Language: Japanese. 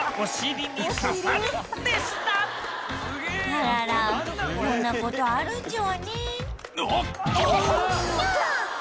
あらららこんなことあるんじわね。